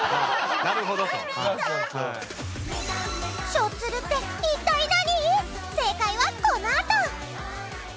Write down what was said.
しょっつるって一体何？